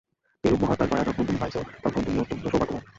এরূপ মহাত্মার দয়া যখন তুমি পাইয়াছ, তখন তুমি অতি সৌভাগ্যবান।